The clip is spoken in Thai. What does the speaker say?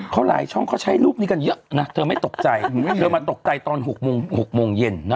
เขาหลายช่องเขาใช้รูปนี้กันเยอะนะเธอไม่ตกใจเธอมาตกใจตอน๖โมง๖โมงเย็นนะ